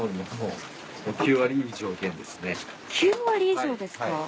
９割以上ですか！